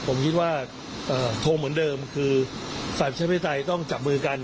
ผมคิดว่าโทรเหมือนเดิมคือฝ่ายประชาธิปไตยต้องจับมือกัน